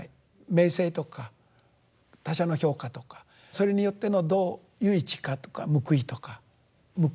名声とか他者の評価とかそれによってのどういう位置かとか報いとか報いを受けない。